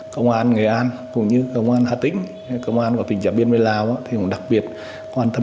công an nghệ an cũng như công an hà tĩnh công an của tỉnh giảm biên với lào đặc biệt quan tâm